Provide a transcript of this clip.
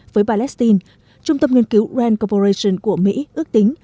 với palestine trung tâm nghiên cứu grand coporation của mỹ ước tính